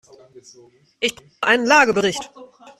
Ich brauche einen Lagebericht.